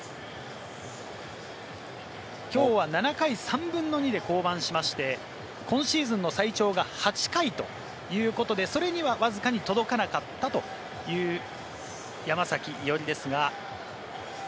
きょうは７回、３分の２で降板しまして、今シーズンの最長が８回ということで、それにはわずかに届かなかったという山崎伊織ですが。